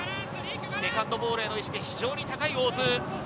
セカンドボールへの意識が非常に高い大津。